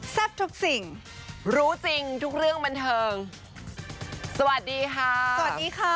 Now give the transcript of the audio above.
ทุกสิ่งรู้จริงทุกเรื่องบันเทิงสวัสดีค่ะสวัสดีค่ะ